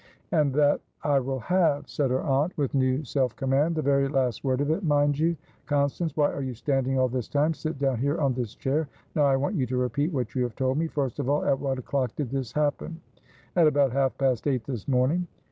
"And that I will have!" said her aunt, with new self command. "The very last word of it, mind you! Constance, why are you standing all this time? Sit down here, on this chair. Now I want you to repeat what you have told me. First of all, at what o'clock did this happen?" "At about half past eight this morning."